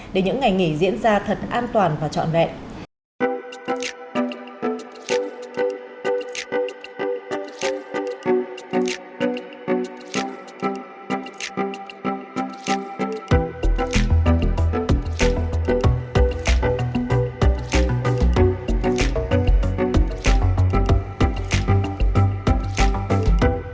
để những ngày nghỉ diễn ra thật an toàn và trọn vẹn